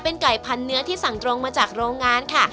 เป็นไก่พันเนื้อที่สั่งตรงมาจากโรงงานค่ะ